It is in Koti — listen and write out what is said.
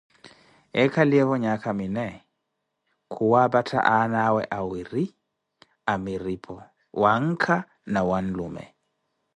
Ekhaliyeevo nhaaka minee, khuwaapatha anawe awire amiripho, wankha na whanlume